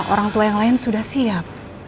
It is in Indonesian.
orang tua yang lain sudah siap